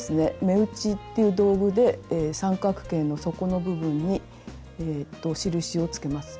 目打ちっていう道具で三角形の底の部分に印をつけます。